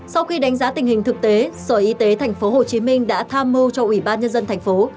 sau khi đánh giá tình hình thực tế sở y tế tp hcm đã tham mưu cho ủy ban nhân dân thành phố